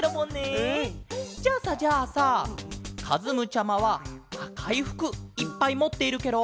うん！じゃあさじゃあさかずむちゃまはあかいふくいっぱいもっているケロ？